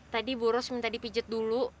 tadi bu rose minta dipijet dulu